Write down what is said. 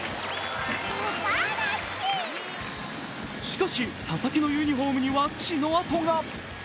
しかし、佐々木のユニフォームには血の跡が。